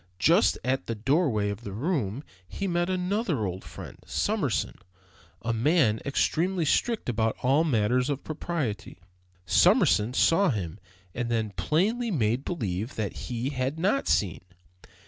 Just at the doorway of the room he met another old friend, Summerson, a man extremely strict about all matters of propriety. Summerson saw him and then plainly made believe that he had not seen.